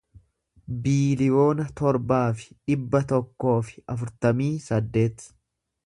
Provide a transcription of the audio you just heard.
biiliyoona torbaa fi dhibba tokkoo fi afurtamii saddeet